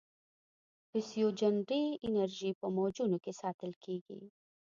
پسیوجنري انرژي په موجونو کې ساتل کېږي.